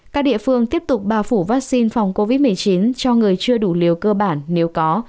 các địa phương tiếp tục bao phủ vaccine phòng covid một mươi chín cho người chưa đủ liều cơ bản nếu có